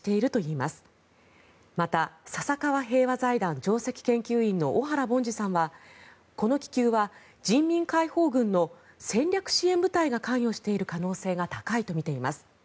また、笹川平和財団上席研究員の小原凡司さんはこの気球は人民解放軍の戦略支援部隊が関与している可能性が高いとみています。